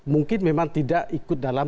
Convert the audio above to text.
mungkin memang tidak ikut dalam